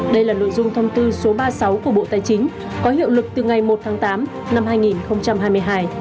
đây là nội dung thông tư số ba mươi sáu của bộ tài chính có hiệu lực từ ngày một tháng tám năm hai nghìn hai mươi hai